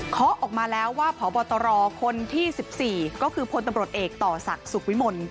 เขาออกมาแล้วว่าพบตรคนที่๑๔ก็คือพลตำรวจเอกต่อศักดิ์สุขวิมล